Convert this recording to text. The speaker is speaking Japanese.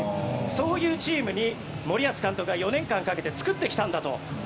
そういうチームに森保監督が４年間かけて作ってきたんだと。